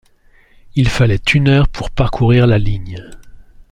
Il fallait une heure pour parcourir la ligne.